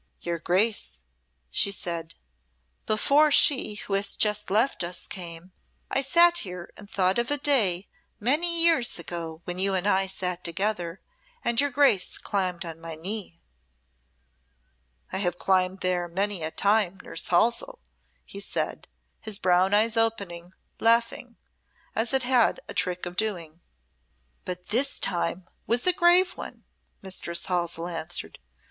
"Your Grace," she said, "before she, who has just left us, came, I sate here and thought of a day many a year ago when you and I sate together, and your Grace climbed on my knee." "I have climbed there many a time, Nurse Halsell," he said, his brown eye opening, laughing, as it had a trick of doing. "But this time was a grave one," Mistress Halsell answered.